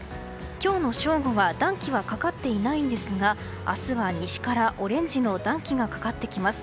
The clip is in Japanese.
今日の正午は暖気はかかっていないんですが明日は西からオレンジの暖気がかかってきます。